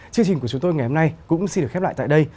chương trình của chúng tôi ngày hôm nay cũng xin được khép lại tại đây